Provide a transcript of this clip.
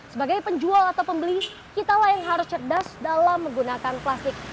sebagai penjual atau pembeli kitalah yang harus cerdas dalam menggunakan plastik